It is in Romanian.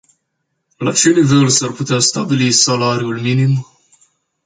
La ce nivel s-ar putea stabili salariul minim?